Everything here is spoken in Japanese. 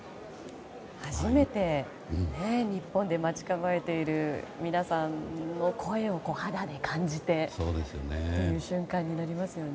初めて日本で待ち構えている皆さんの声を肌で感じてという瞬間になりますよね。